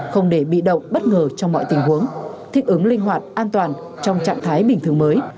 không để bị động bất ngờ trong mọi tình huống thích ứng linh hoạt an toàn trong trạng thái bình thường mới